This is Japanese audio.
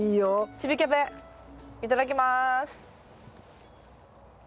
チビキャベいただきます。